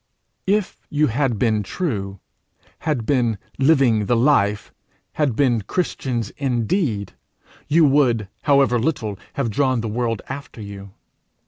If you had been true, had been living the life, had been Christians indeed, you would, however little, have drawn the world after you.